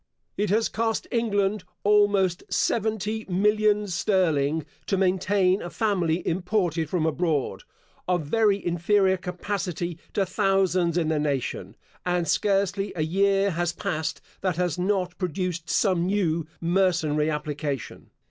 It has cost England almost seventy millions sterling, to maintain a family imported from abroad, of very inferior capacity to thousands in the nation; and scarcely a year has passed that has not produced some new mercenary application.